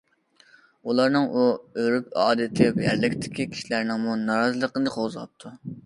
ئۇلارنىڭ ئۇ ئۆرۈپ ئادىتى يەرلىكتىكى كىشىلەرنىڭمۇ نارازىلىقىنى قوزغاپتۇ.